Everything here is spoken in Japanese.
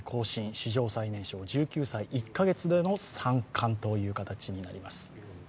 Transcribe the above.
史上最年少１９歳１カ月での三冠という形になります。